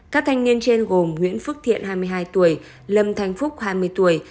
các thanh niên trên gồm nguyễn phước thiện hai mươi hai tuổi lâm thanh phúc hai mươi tuổi